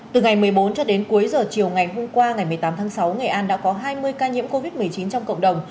từ ngày một mươi bốn cho đến cuối giờ chiều ngày hôm qua ngày một mươi tám tháng sáu nghệ an đã có hai mươi ca nhiễm covid một mươi chín trong cộng đồng